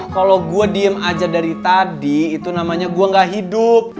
kalau gue diem aja dari tadi itu namanya gue gak hidup